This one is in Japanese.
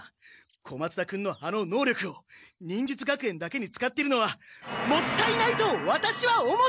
小松田君のあの能力を忍術学園だけに使っているのはもったいないとワタシは思っている！